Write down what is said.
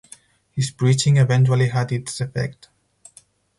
His preaching eventually had its effect.